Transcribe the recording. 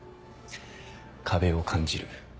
壁を感じる。